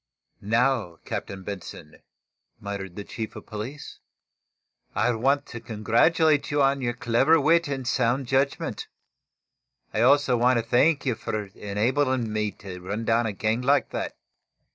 "Now, Captain Benson," muttered the chief of police, "I want to congratulate you on your clever wit and sound judgment. I also want to thank you for enabling me to run down a gang like that.